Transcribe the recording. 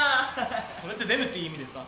それってデブっていう意味ですか？